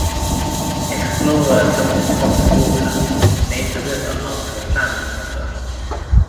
Explorer Doctor Thomas Walker named the river after a family member.